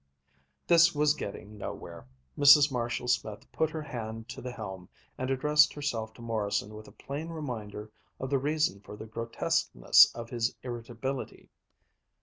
This was getting nowhere. Mrs. Marshall Smith put her hand to the helm, and addressed herself to Morrison with a plain reminder of the reason for the grotesqueness of his irritability.